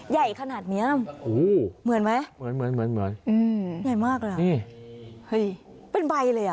ใหญ่ขนาดเนี้ยอู้เหมือนไหมเหมือนอย่างนี้เป็นใบเลยอ่ะ